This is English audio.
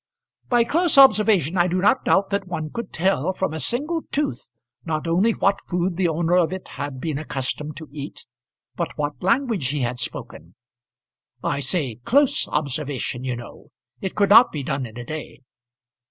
"By close observation I do not doubt that one could tell from a single tooth not only what food the owner of it had been accustomed to eat, but what language he had spoken. I say close observation, you know. It could not be done in a day."